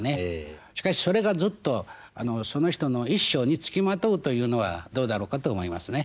しかしそれがずっとその人の一生に付きまとうというのはどうだろうかと思いますね。